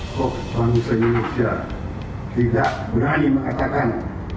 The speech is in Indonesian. kok bangsa indonesia tidak berani mengatakan